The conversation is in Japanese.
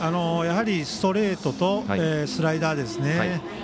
やはりストレートとスライダーですね。